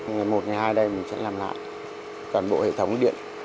ngày một ngày hai đây mình sẽ làm lại toàn bộ hệ thống điện